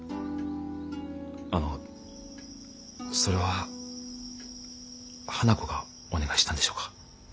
あのそれは花子がお願いしたんでしょうか？